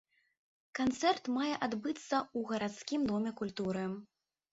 Канцэрт мае адбыцца ў гарадскім доме культуры.